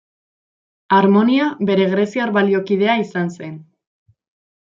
Harmonia bere greziar baliokidea izan zen.